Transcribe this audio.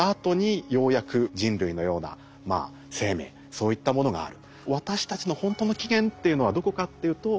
そういったものがある。